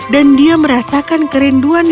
dan dia merasakan kerinduan yang mengembangkan